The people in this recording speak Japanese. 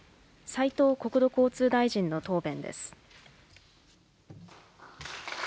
斉藤国土交通大臣の答弁です。